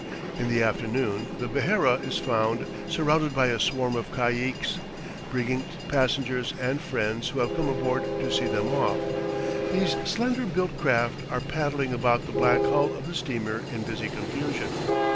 In the afternoon the Behera is found surrounded by a swarm of caiques, bringing passengers and friends who have come aboard to see them off. These slender built craft are paddling about the black hull of the steamer in busy confusion.